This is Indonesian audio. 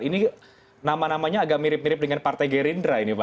ini nama namanya agak mirip mirip dengan partai gerindra ini pak